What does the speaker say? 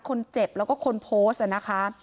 คนเจ็บแล้วก็คนโพสต์นะคะ